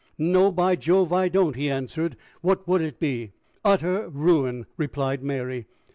"No, by Jove! I don't," he answered. "What would it be?" "Utter ruin," replied Mary.